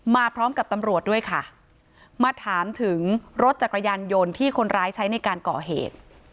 มาพร้อมกับตำรวจด้วยค่ะมาถามถึงรถจักรยานยนต์ที่คนร้ายใช้ในการก่อเหตุ